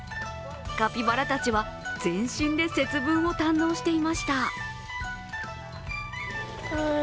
カピバラたちは全身で節分を堪能していました。